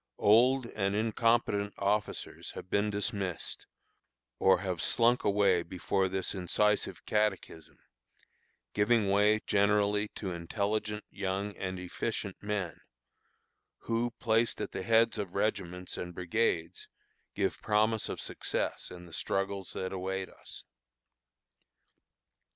Old and incompetent officers have been dismissed, or have slunk away before this incisive catechism, giving way generally to intelligent, young, and efficient men, who, placed at the heads of regiments and brigades, give promise of success in the struggles that await us.